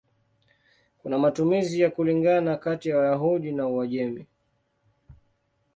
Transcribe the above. Kuna matumizi ya kulingana kati ya Wayahudi wa Uajemi.